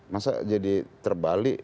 masa jadi terbalik